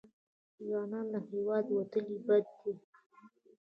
ځوانان له هېواده وتل بد دي.